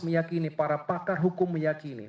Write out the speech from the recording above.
meyakini para pakar hukum meyakini